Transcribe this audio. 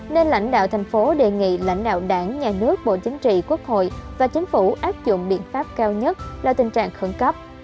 nên lãnh đạo thành phố đề nghị lãnh đạo đảng nhà nước bộ chính trị quốc hội và chính phủ áp dụng biện pháp cao nhất là tình trạng khẩn cấp